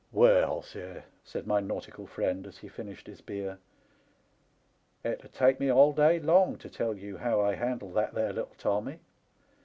" Well, sir," said my nautical friend, as he finished his beer, " it 'ud take me all day long to tell you how I handled that there little Tommy.